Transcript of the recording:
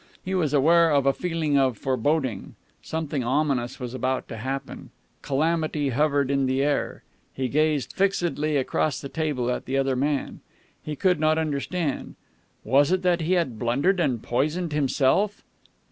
He was aware of a feeling of foreboding. Something ominous was about to happen. Calamity hovered in the air. He gazed fixedly across the table at the other man. He could not understand. Was it that he had blundered and poisoned himself?